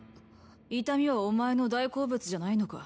痛みはお前の大好物じゃないのか？